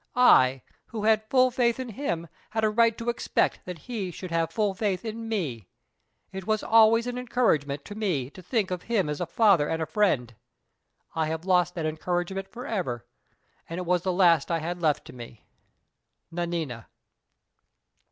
I, who had full faith in him, had a right to expect that he should have full faith in me. It was always an encouragement to me to think of him as a father and a friend. I have lost that encouragement forever and it was the last I had left to me! "NANINA."